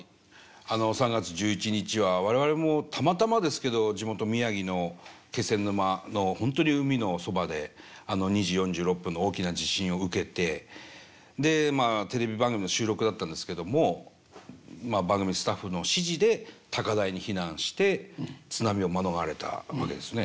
あの３月１１日は我々もたまたまですけど地元宮城の気仙沼の本当に海のそばで２時４６分の大きな地震を受けてでまあテレビ番組の収録だったんですけどもまあ番組スタッフの指示で高台に避難して津波を免れたわけですね。